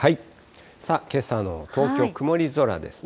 さあ、けさの東京、曇り空ですね。